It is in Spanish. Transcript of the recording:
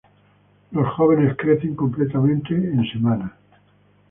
Los jóvenes crecen completamente en semanas.